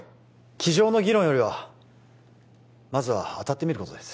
机上の議論よりはまずは当たってみることです